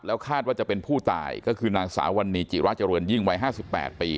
แล้วคาดว่าจะเป็นผู้ตายก็คือนางสาวาณิจิรัฐจรวรรย์ยิ่งวัย๕๘ปี